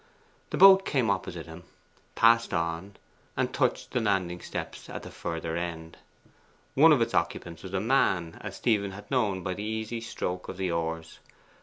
The boat came opposite him, passed on, and touched the landing steps at the further end. One of its occupants was a man, as Stephen had known by the easy stroke of the oars.